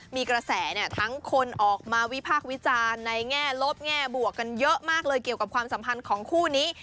มีกระแสทั้งคนออกมาวิพากษ์วิจารณ์ในแง่ลบแง่บวกกันเยอะมากเลยเกี่ยวกับความสัมพันธ์ของคู่นี้